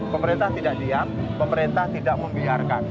pemerintah tidak diam pemerintah tidak membiarkan